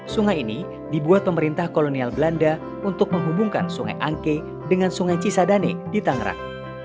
sungai ini dibuat pemerintah kolonial belanda untuk menghubungkan sungai angke dengan sungai cisadane di tangerang